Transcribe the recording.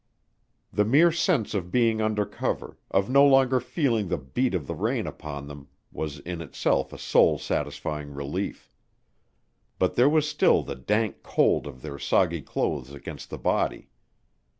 The mere sense of being under cover of no longer feeling the beat of the rain upon them was in itself a soul satisfying relief. But there was still the dank cold of their soggy clothes against the body.